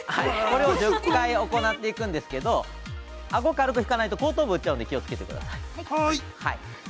◆これを１０回行っていくんですけれども、あご引かないと、後頭部、打っちゃうんで、気をつけてください。